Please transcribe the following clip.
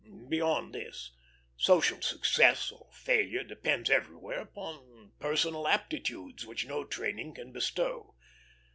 Beyond this, social success or failure depends everywhere upon personal aptitudes which no training can bestow.